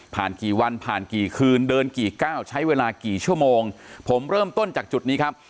กี่วันผ่านกี่คืนเดินกี่ก้าวใช้เวลากี่ชั่วโมงผมเริ่มต้นจากจุดนี้ครับ